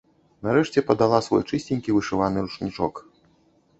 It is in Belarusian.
Нарэшце, падала свой чысценькі вышываны ручнічок.